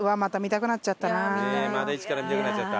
また一から見たくなっちゃった？